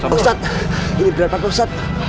pak ustadz ini berapa pak ustadz